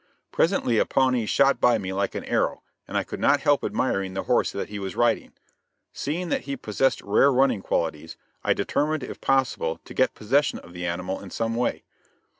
Presently a Pawnee shot by me like an arrow and I could not help admiring the horse that he was riding. Seeing that he possessed rare running qualities, I determined if possible to get possession of the animal in some way.